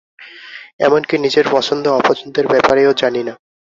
এমনকি নিজের পছন্দ অপছন্দের ব্যপারেও জানি না।